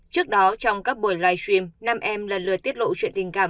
trước đó trong các buổi live stream nam em lần lượt tiết lộ chuyện tình cảm